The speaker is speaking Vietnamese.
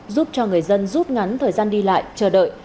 giúp cho người dân rút ngắn thời gian đi lại chờ đợi